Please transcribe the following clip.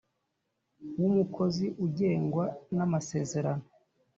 wu mukozi ugengwa na masezerano